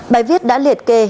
bài viết đã liệt kê